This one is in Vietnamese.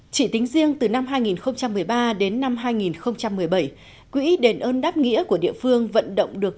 chỉ tính riêng từ năm hai nghìn một mươi ba đến năm hai nghìn một mươi bảy quỹ đền ơn đáp nghĩa của địa phương vận động được